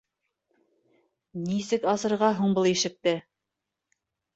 Нисек асырға һуң был ишекте?